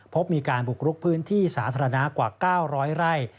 พบมีการบุกรุกพื้นที่สาธารณะกว่า๙๐๐ไร่